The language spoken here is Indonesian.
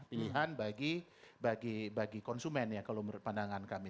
pilihan bagi konsumen ya kalau menurut pandangan kami